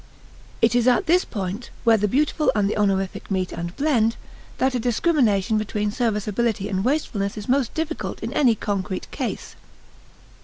It is at this point, where the beautiful and the honorific meet and blend, that a discrimination between serviceability and wastefulness is most difficult in any concrete case.